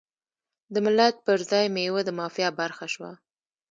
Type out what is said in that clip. د ملت پر ځای میوه د مافیا برخه شوه.